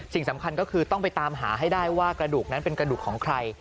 สิ่งสำคัญก็คือต้องไปตามหาให้ได้ว่ากระดูกนั้นเป็นกระดูกของใคร